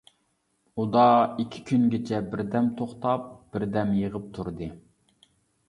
ئۇدا ئىككى كۈنگىچە بىردەم توختاپ، بىردەم يېغىپ تۇردى.